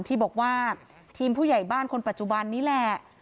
ที่บอกว่าทีมผู้ใหญ่บ้านคนปัจจุบันนี้แหละ